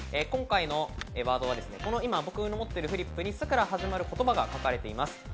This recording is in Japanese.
今回のワードは今、僕のもっているフリップに「ス」から始まる言葉が書かれています。